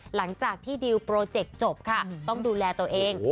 หลังจากที่ดิวโปรเจกต์จบค่ะต้องดูแลตัวเอง